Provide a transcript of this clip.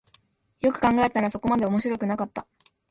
よく考えたらそこまで面白くなかった